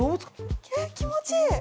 気持ちいい。